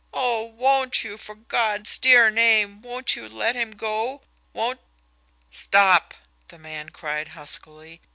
"Oh, won't you, for God's dear name, won't you let him go? Won't " "Stop!" the man cried huskily.